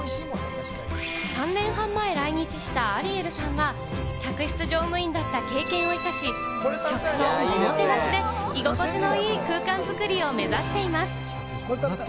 ３年半前来日したアリエルさんは、客室乗務員だった経験を生かし、食とおもてなしで居心地のいい空間作りを目指しています。